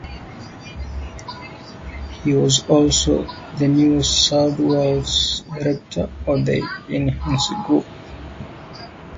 He was also the New South Wales director of the Enhance Group.